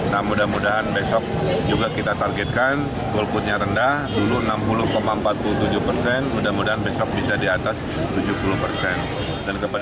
nah mudah mudahan besok juga kita targetkan golputnya rendah dulu enam puluh empat puluh tujuh persen mudah mudahan besok bisa di atas tujuh puluh persen